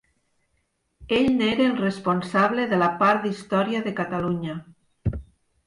Ell n'era el responsable de la part d'història de Catalunya.